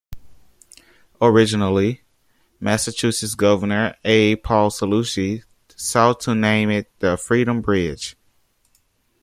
Originally, Massachusetts Governor A. Paul Cellucci sought to name it the "Freedom Bridge".